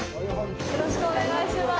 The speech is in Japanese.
よろしくお願いします。